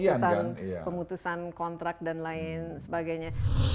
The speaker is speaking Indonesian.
keputusan pemutusan kontrak dan lain sebagainya